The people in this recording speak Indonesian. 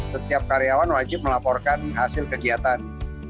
setiap karyawan wajib melaporkan hasil kegiatan